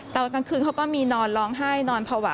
ตอนกลางคืนเขาก็มีนอนร้องไห้นอนภาวะ